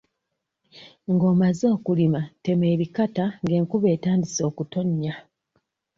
Ng'omaze okulima tema ebikata ng'enkuba etandise okutonnya.